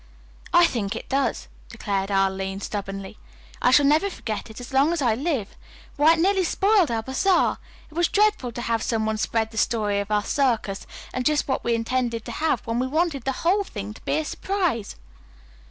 "I think it counts," declared Arline stubbornly. "I shall never forget it as long as I live. Why, it nearly spoiled our bazaar. It was dreadful to have some one spread the story of our circus, and just what we intended to have, when we wanted the whole thing to be a surprise."